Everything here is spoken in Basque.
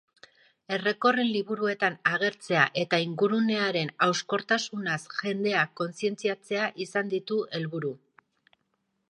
Errekorren liburuetan agertzea eta ingurunearen hauskortasunaz jendea kontzientziatzea izan ditu helburu.